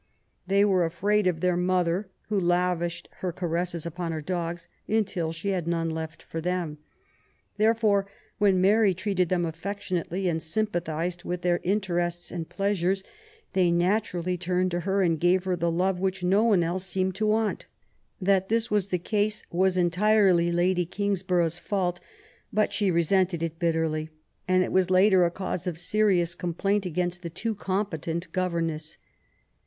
They were afraid of their mother^ who lavished her caresses upon her dogs^ until she had none left for them. Therefore, when Mary treated them affectionately and sympathised with their interests and pleasures, they naturally turned to her and gave her the love which no one else seemed to want. That this was the case was entirely Lady Kingsborough's fault, but she resented it bitterly, and it was later a cause of serious complaint against the too competent governess.